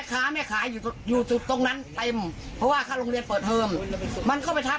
ถ้าเค้าตอบว่าโดนกดดันมาจากข้างในหนูก็มาเรียกลองขอบพิมพ์ทำ